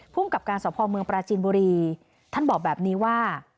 กับการสพเมืองปราจีนบุรีท่านบอกแบบนี้ว่า